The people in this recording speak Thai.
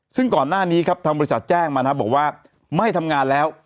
ซึ่งก่อนหน้านี้ครับทางบริษัทแจ้งมานะบอกว่าไม่ทำงานแล้ว